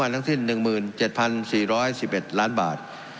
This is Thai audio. ทั้งสิ้น๑๗๔๑๑ล้านบาท